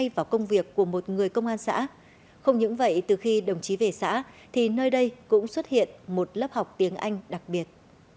nó là một trong những công việc của một người công an xã không những vậy từ khi đồng chí về xã thì nơi đây cũng xuất hiện một lớp học tiếng anh đặc biệt